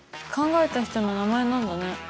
考えた人の名前なんだね。